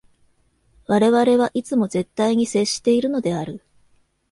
我々はいつも絶対に接しているのである。